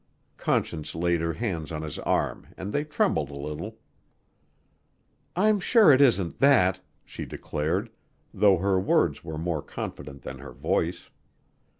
Conscience laid her hands on his arm and they trembled a little. "I'm sure it isn't that," she declared, though her words were more confident than her voice.